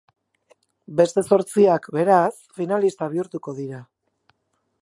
Beste zortziak, beraz, finalista bihurtuko dira.